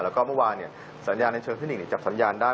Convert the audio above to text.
แล้วก็เมื่อวานเนี่ยสัญญาณในเชิงที่๑จับสัญญาณได้